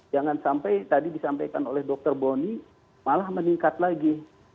jangan sampai tadi disampaikan oleh dr boni malah meningkat lagi